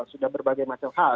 sudah berbagai macam hal